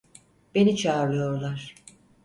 Beni çağırıyorlar.